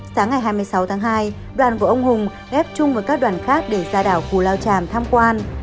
sáng ngày hai mươi sáu tháng hai đoàn của ông hùng ghép chung với các đoàn khác để ra đảo cù lao tràm tham quan